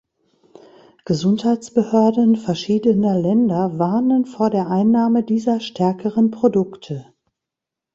Gesundheitsbehörden verschiedener Länder warnen vor der Einnahme dieser stärkeren Produkte.